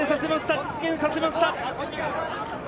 実現させました。